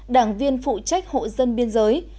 đảng viên phụ trách hộ dân biên giới